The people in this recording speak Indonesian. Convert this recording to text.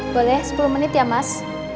boleh sepuluh menit ya mas